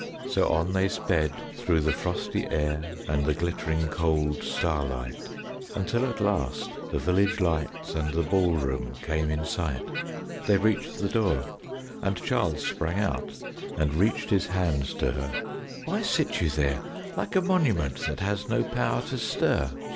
So on they sped through the frosty air and the glittering cold starlight Until at last the village lights and the ball room came in sight. They reached the door and Charles sprang out and reached his hands to her. "Why sit you there like a monument that has no power to stir?"